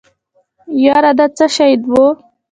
يره دا څه شی و.